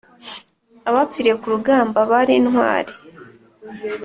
Abapfiriye kurugamba barintwari